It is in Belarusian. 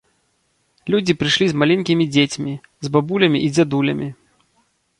Людзі прыйшлі з маленькімі дзецьмі, з бабулямі і дзядулямі.